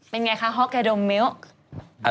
เป็นไงคะฮอกแกโดมมิ้ว